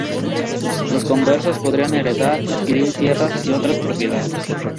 Los conversos podrían heredar, adquirir tierras y otras propiedades.